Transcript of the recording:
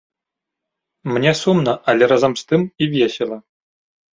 Мне сумна, але разам з тым і весела.